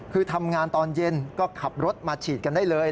คือทำงานตอนเย็นก็ขับรถมาฉีดกันได้เลย